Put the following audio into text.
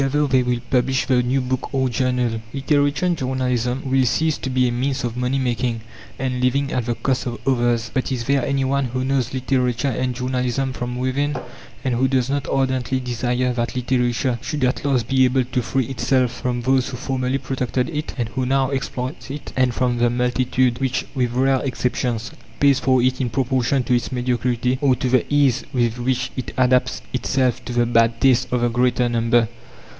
Together they will publish the new book or journal. Literature and journalism will cease to be a means of money making and living at the cost of others. But is there any one who knows literature and journalism from within, and who does not ardently desire that literature should at last be able to free itself from those who formerly protected it, and who now exploit it, and from the multitude, which, with rare exceptions, pays for it in proportion to its mediocrity, or to the ease with which it adapts itself to the bad taste of the greater number?